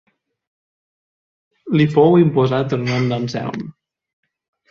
Li fou imposat el nom d'Anselm.